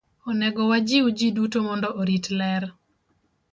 Onego wajiw ji duto mondo orit ler.